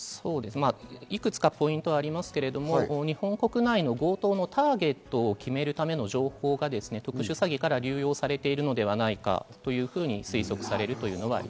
いくつかポイントはありますが、日本国内の強盗のターゲットを決めるための情報が特殊詐欺から流用されているのではないかというふうに推測されます。